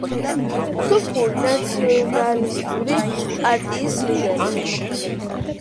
სომხური ნაციონალისტური პარტიის ლიდერი.